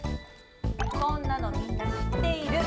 そんなのみんな知っている。